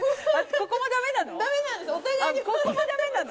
ここもダメなの？